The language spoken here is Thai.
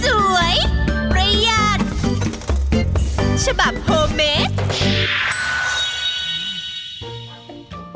สวยประหยัดฉบับโฮเมส